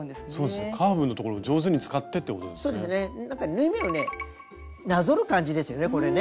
縫い目をねなぞる感じですよねこれね。